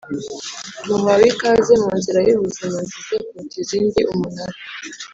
Muhawe ikaze mu nzira y ubuzima nziza kuruta izindi umunara